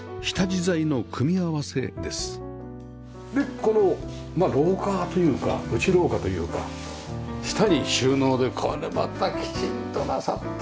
この廊下というか内廊下というか下に収納でこれまたきちんとなさってますね。